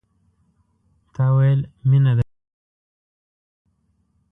تا ويل، میینه درسره لرم